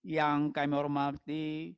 yang kami hormati